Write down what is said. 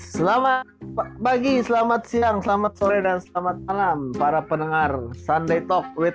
selamat pagi selamat siang selamat sore dan selamat malam para pendengar sunday talk with